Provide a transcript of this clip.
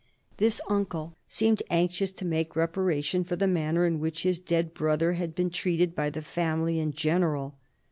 This uncle seemed anxious to make reparation for the manner in which his dead brother had been treated by the family in general.